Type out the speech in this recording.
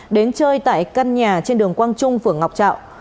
đến chơi tại căn nhà trên đường quang trung phường ngọc trạo